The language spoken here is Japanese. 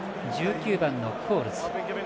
１９番のコールズ。